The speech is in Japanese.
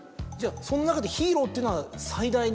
その中で「ヒーロー」っていうのは最大の。